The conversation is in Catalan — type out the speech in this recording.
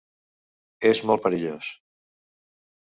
És molt perillós.